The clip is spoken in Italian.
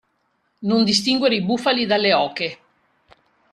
Non distinguere i bufali dalle oche.